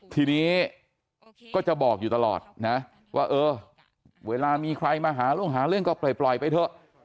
ทีนี้ก็จะบอกอยู่ตลอดนะว่าเออเวลามีใครมาหาเรื่องหาเรื่องก็ปล่อยไปเถอะ